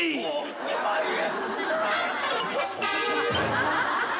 １万円。